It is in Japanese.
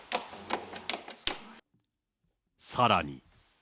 さらに。